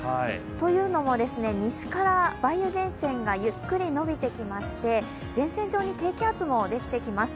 というのも、西から梅雨前線がゆっくり伸びてきまして前線上に低気圧もできてきます。